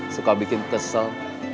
suka bikin kesel